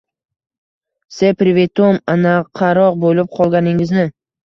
— S privetom... anaqaroq bo‘lib qolganingizni.